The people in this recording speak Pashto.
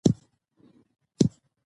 د پرېکړو ناسم تعبیر اختلاف جوړوي